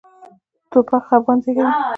توپک خپګان زېږوي.